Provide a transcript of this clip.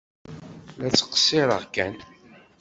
La ttqeṣṣireɣ kan!